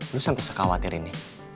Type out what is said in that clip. lo sampe sekhawatir ini